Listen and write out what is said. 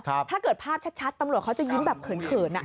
ถ้าเกิดภาพชัดตำรวจเขาจะยิ้มแบบเขิน